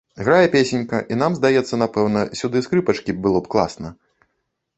Грае песенька, і нам здаецца, напэўна, сюды скрыпачкі было б класна.